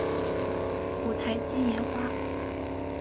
五台金银花